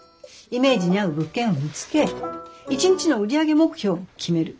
イメージに合う物件を見つけ一日の売り上げ目標を決める。